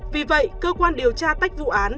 vì vậy cơ quan điều tra tách vụ án